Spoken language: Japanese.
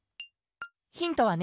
ヒントはね